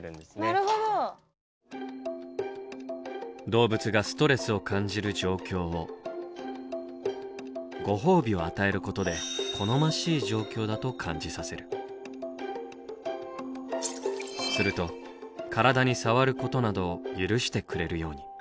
動物がストレスを感じる状況をご褒美を与えることですると体に触ることなどを許してくれるように。